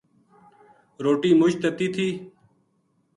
روٹی مُچ تَتی تھی